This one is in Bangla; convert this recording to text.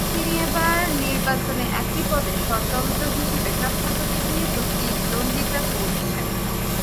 তিনি এবার নির্বাচনে একই পদে স্বতন্ত্র হিসেবে চশমা প্রতীক নিয়ে প্রতিদ্বন্দ্বিতা করছেন।